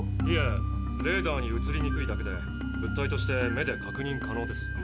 いえレーダーに映りにくいだけで物体として目で確認可能です。